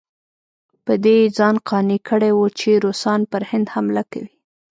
په دې یې ځان قانع کړی وو چې روسان پر هند حمله کوي.